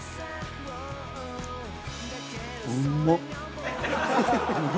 うまっ！